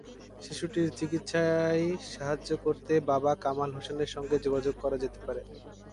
শিশুটির চিকিত্সায় সাহায্য করতে বাবা কামাল হোসেনের সঙ্গে যোগাযোগ করা যেতে পারে।